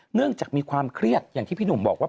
เนื่องจากมีความเครียดอย่างที่พี่หนุ่มบอกว่า